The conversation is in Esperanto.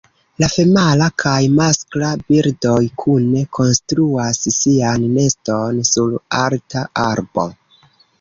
La femala kaj maskla birdoj kune konstruas sian neston sur alta arbo.